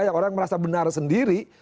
yang orang merasa benar sendiri